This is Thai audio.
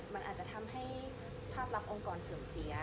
มันอาจจะทำให้ภาพลักษณ์องค์กรเสื่อมเสีย